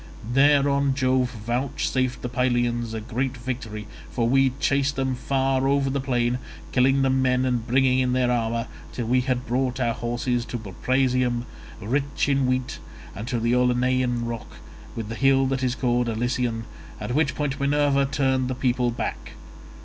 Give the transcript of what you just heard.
Thereon Jove vouchsafed the Pylians a great victory, for we chased them far over the plain, killing the men and bringing in their armour, till we had brought our horses to Buprasium, rich in wheat, and to the Olenian rock, with the hill that is called Alision, at which point Minerva turned the people back.